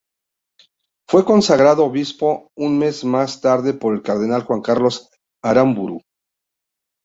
Fue consagrado obispo un mes más tarde por el cardenal Juan Carlos Aramburu.